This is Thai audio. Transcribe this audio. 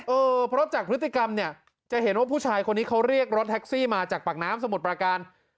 เออเพราะจากพฤติกรรมเนี่ยจะเห็นว่าผู้ชายคนนี้เขาเรียกรถแท็กซี่มาจากปากน้ำสมุทรประการ